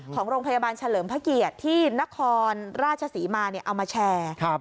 ของโรงพยาบาลเฉลิมพระเกียรติที่นครราชศรีมาเอามาแชร์